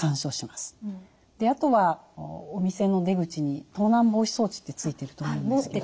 あとはお店の出口に盗難防止装置ってついてると思うんですけど。